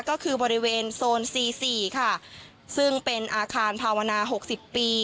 ก็คือบริเวณโซนสี่สี่ค่ะซึ่งเป็นอาคารภาวนาหกสิบปี